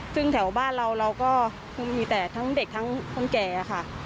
ซึ่งแถวบ้านเราเราก็คือมีแต่ทั้งเด็กทั้งคนแก่ค่ะ